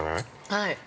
◆はい。